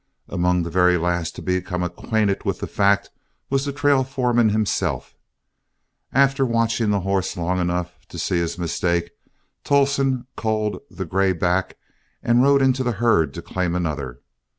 Among the very last to become acquainted with the fact was the trail foreman himself. After watching the horse long enough to see his mistake, Tolleston culled the gray back and rode into the herd to claim another.